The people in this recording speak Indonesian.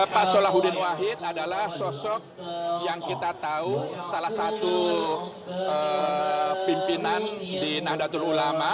pak solahuddin wahid adalah sosok yang kita tahu salah satu pimpinan di nahdlatul ulama